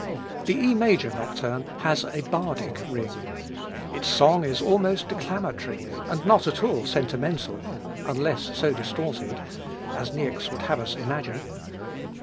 The E major Nocturne has a bardic ring. Its song is almost declamatory and not at all sentimental unless so distorted as Niecks would have us imagine.